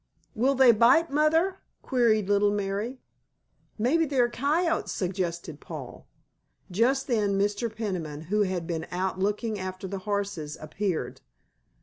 "Will they bite, Mother?" queried little Mary. "Maybe they're coyotes," suggested Paul. Just then Mr. Peniman, who had been out looking after the horses, appeared.